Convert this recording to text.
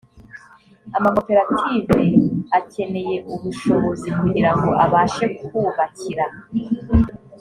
amakoperative akeneye ubushobozi kugira ngo abashe kubakira